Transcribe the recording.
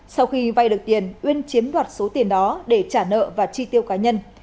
sau khi vay được tiền uyên chiếm đoạt số tiền đó để trả nợ và chi tiêu cá nhân